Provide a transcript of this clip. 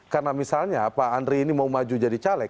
karena misalnya pak andri ini mau maju jadi caleg